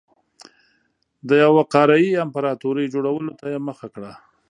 د یوې قاره يي امپراتورۍ جوړولو ته یې مخه کړه.